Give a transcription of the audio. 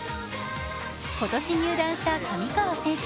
今年入団した上川選手。